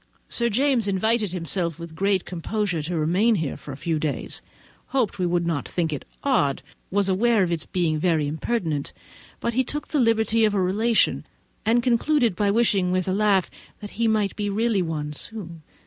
Sir James invited himself with great composure to remain here a few days—hoped we would not think it odd, was aware of its being very impertinent, but he took the liberty of a relation; and concluded by wishing, with a laugh, that he might be really one very soon.